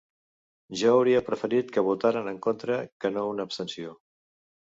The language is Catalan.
Jo hauria preferit que votaren en contra que no una abstenció.